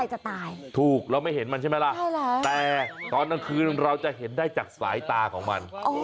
จะตายถูกเราไม่เห็นมันใช่ไหมล่ะแต่ตอนกลางคืนเราจะเห็นได้จากสายตาของมัน